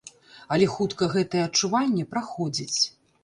Але хутка гэтае адчуванне праходзіць.